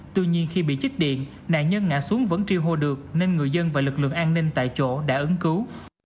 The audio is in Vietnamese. tuy nhiên khi bị chích điện nạn nhân ngã xuống vẫn triêu hô được nên người dân và lực lượng an ninh tại chỗ đã ứng cứu